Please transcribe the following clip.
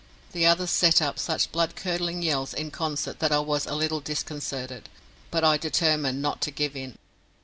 The others set up such blood curdling yells in concert that I was a little disconcerted, but I determined not to give in.